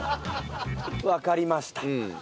わかりました。